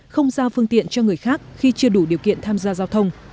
không giao phương tiện cho người khác khi chưa đủ điều kiện tham gia giao thông